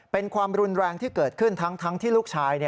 เป็นความรุนแรงที่เกิดขึ้นทั้งที่ลูกชาย